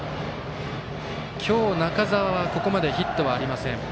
今日、中澤はここまでヒットはありません。